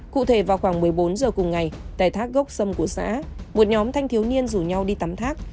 cụ thể vào khoảng một mươi bốn h cùng ngày tại thác gốc sâm của xã một nhóm thanh thiếu niên rủ nhau đi tắm thác